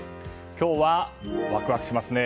今日はワクワクしますね。